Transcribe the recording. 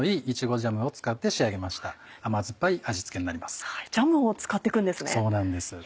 ジャムを使って行くんですね。